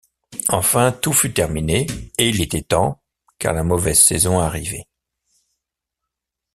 Enfin, tout fut terminé, et il était temps, car la mauvaise saison arrivait.